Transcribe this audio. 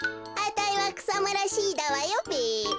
あたいはくさむらＣだわよべ。